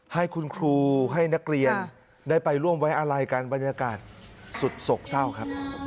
ให้คุณครูให้นักเรียนได้ไปร่วมไว้อะไรกันบรรยากาศสุดโศกเศร้าครับ